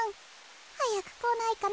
はやくこないかな。